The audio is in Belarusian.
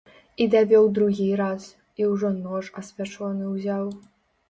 І давёў другі раз, і ўжо нож асвячоны ўзяў.